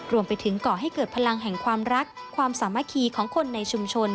รวมไปถึงก่อให้เกิดพลังแห่งความรักความสามัคคีของคนในชุมชน